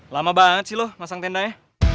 lama banget sih lo pasang tendanya